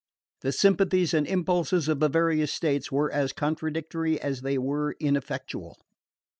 The sympathies and impulses of the various states were as contradictory as they were ineffectual.